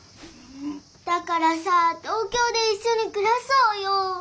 だからさ東京でいっしょにくらそうよ。